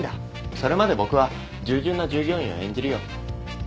それまで僕は従順な従業員を演じるよ。